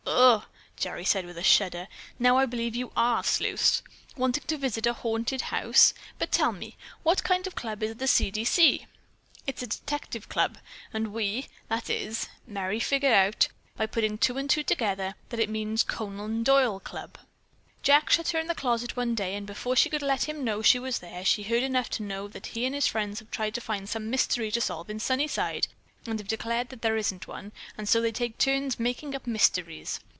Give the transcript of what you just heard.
"Ugh!" Gerry said with a shudder. "Now I believe you are sleuths. Wanting to visit a haunted house! But tell me, what kind of a club is the 'C. D. C.'?" "It's a detective club, and we, that is, Merry, figured out, by putting two and two together, that it means 'Conan Doyle Club.' Jack shut her in a closet one day, and before she could let him know she was there, she heard enough to know that he and his friends have tried to find some mystery to solve in Sunnyside, and have decided that there isn't one, and so they take turns making up mysteries.